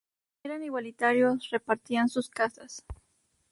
Eran igualitarios, repartían sus cazas.